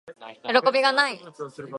よろこびがない～